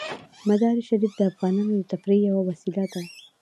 مزارشریف د افغانانو د تفریح یوه وسیله ده.